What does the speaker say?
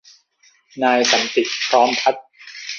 นายสันติ พร้อมพัฒน์